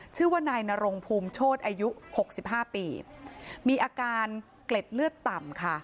ชื่อว่านายนรงภูมิโชธอายุหกสิบห้าปีมีอาการเกล็ดเลือดต่ำค่ะ